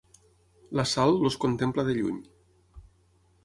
La Sal els contempla de lluny.